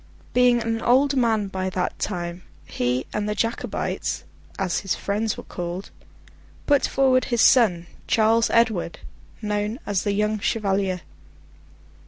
Being an old man by that time, he and the Jacobites—as his friends were called—put forward his son, Charles Edward, known as the young Chevalier.